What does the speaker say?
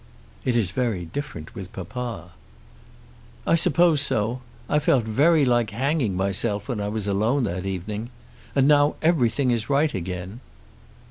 "It is very different with papa." "I suppose so. I felt very like hanging myself when I was alone that evening. And now everything is right again."